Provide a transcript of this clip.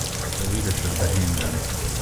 The leader showed the handgun.